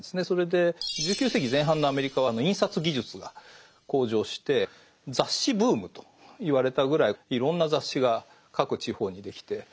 それで１９世紀前半のアメリカは印刷技術が向上して雑誌ブームといわれたぐらいいろんな雑誌が各地方にできて。